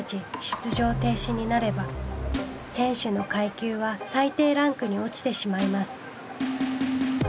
出場停止になれば選手の階級は最低ランクに落ちてしまいます。